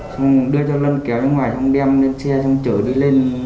xong đưa cho lân kéo ra ngoài xong đem lên xe xong chở đi lên